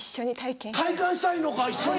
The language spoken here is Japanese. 体感したいのか一緒に。